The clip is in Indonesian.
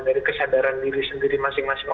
dari kesadaran diri sendiri masing masing